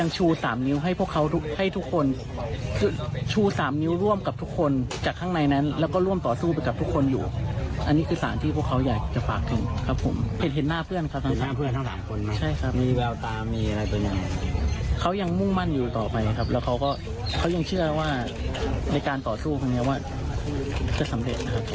เชื่อว่าในการต่อสู้ครั้งนี้ว่าจะสำเร็จนะครับ